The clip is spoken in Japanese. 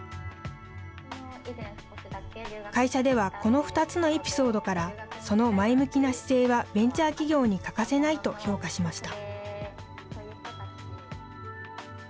会社ではこの２つのエピソードから、その前向きな姿勢は、ベンチャー企業に欠かせないと評価しました。